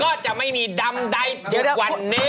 ก็จะไม่มีตัมไดถึงความนี้